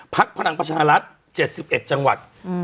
พักพลังประชานรัฐเจ็ดสิบเอ็ดจังหวัดอืม